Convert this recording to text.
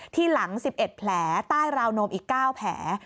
หลัง๑๑แผลใต้ราวนมอีก๙แผล